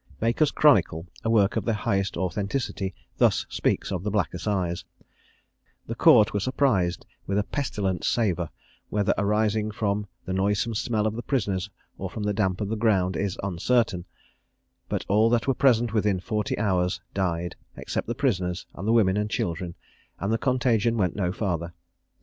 "Baker's Chronicle," a work of the highest authenticity, thus speaks of the Black Assize: "The Court were surprised with a pestilent savour, whether arising from the noisome smell of the prisoners, or from the damp of the ground, is uncertain; but all that were present within forty hours died, except the prisoners, and the women and children; and the contagion went no farther.